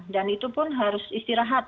dan itu pun harus istirahat